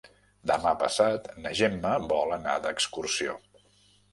Demà passat na Gemma vol anar d'excursió.